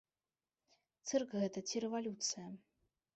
Цырк гэта ці рэвалюцыя?